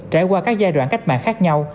trải qua các giai đoạn cách mạng khác nhau